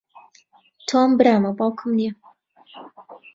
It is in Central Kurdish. تۆم برامە، باوکم نییە.